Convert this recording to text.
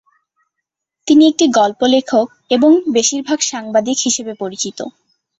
তিনি একটি গল্প লেখক, এবং বেশিরভাগ সাংবাদিক হিসাবে পরিচিত।